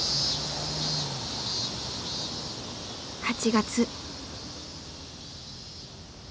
８月。